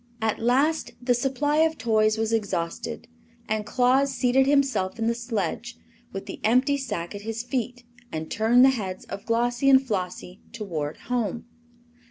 At last the supply of toys was exhausted and Claus seated himself in the sledge, with the empty sack at his feet, and turned the heads of Glossie and Flossie toward home.